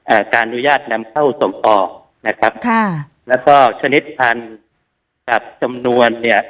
การอนุญาตนำเข้าส่งออกนะครับค่ะแล้วก็ชนิดพันธุ์กับจำนวนเนี้ย